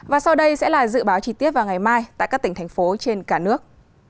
và sau đây sẽ là dự báo chi tiết vào ngày mai tại các tỉnh thành phố trên cả nước